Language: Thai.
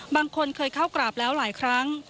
บางคนเคยเข้ากราบแล้วหลายครั้ง